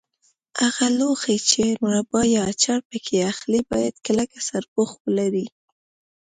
هغه لوښي چې مربا یا اچار پکې اخلئ باید کلک سرپوښ ولري.